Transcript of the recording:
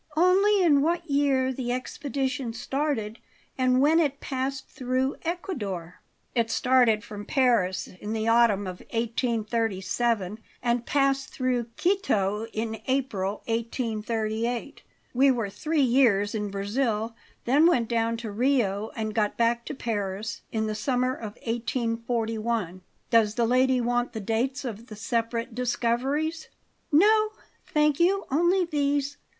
"Only in what year the expedition started and when it passed through Ecuador." "It started from Paris in the autumn of 1837, and passed through Quito in April, 1838. We were three years in Brazil; then went down to Rio and got back to Paris in the summer of 1841. Does the lady want the dates of the separate discoveries?" "No, thank you; only these.